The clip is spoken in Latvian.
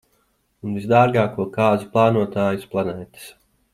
Un visdārgāko kāzu plānotāju uz planētas.